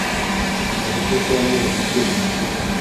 Yavuze ko yamubonye ukwezi gushize.